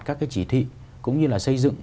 các cái chỉ thị cũng như là xây dựng